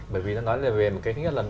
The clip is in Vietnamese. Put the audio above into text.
bởi vì nó nói về một cái thứ nhất là